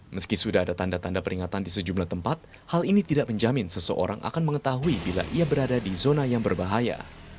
meski sudah ada tanda tanda peringatan di sejumlah tempat hal ini tidak menjamin seseorang akan mengetahui bila ia berada di zona yang berbahaya